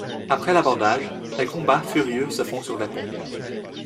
Après l'abordage, les combats furieux se font sur les ponts.